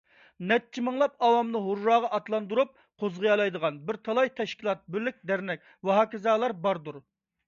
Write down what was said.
نەچچە مىڭلاپ ئاۋامنى ھۇرراغا ئاتلاندۇرۇپ قوزغىيالىغان بىر تالاي تەشكىلات، بىرلىك، دەرنەك ۋەھاكازالار باردۇر.